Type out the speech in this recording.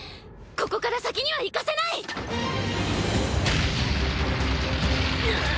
ここから先には行かせない！ぬあ！